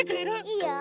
いいよ！